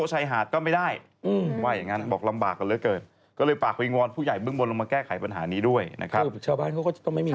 ชาวบ้านก็ต้องทำมาหากินอะไรแบบนี้ใช่ไหม